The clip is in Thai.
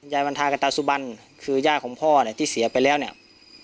ยาวันทากตาสุบันคือย่าของพ่อที่เสียไปแล้วเนี่ย